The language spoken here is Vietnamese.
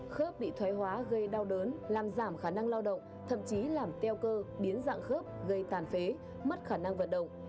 khớp bị thoái hóa gây đau đớn làm giảm khả năng lao động thậm chí làm teo cơ biến dạng khớp gây tàn phế mất khả năng vận động